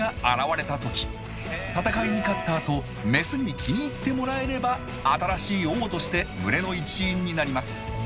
戦いに勝ったあとメスに気に入ってもらえれば新しい王として群れの一員になります。